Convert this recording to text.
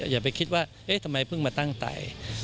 อย่าไปคิดว่าเอ๊ะทำไมเพิ่งมาตั้งไต